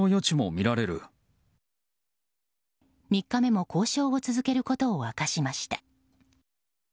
３日目も交渉を続けることを明かしました。